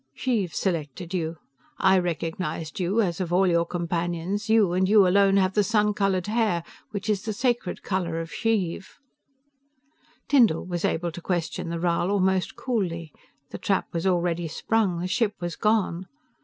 "Xheev selected you, I recognized you, as of all your companions, you and you alone have the sun colored hair, which is the sacred color of Xheev." Tyndall was able to question the Rhal almost coolly, the trap was already sprung, the ship was gone.